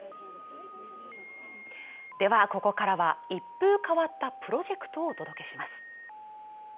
ここからは一風変わったプロジェクトをお届けします。